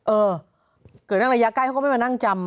เออเกิดเรื่องระยะใกล้เขาก็ไม่มานั่งจำ